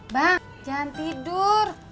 bang jangan tidur